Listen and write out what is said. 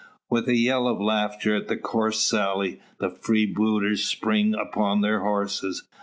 With a yell of laughter at the coarse sally, the freebooters spring upon their horses.